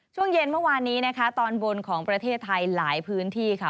ช่วงเย็นเมื่อวานนี้นะคะตอนบนของประเทศไทยหลายพื้นที่ค่ะ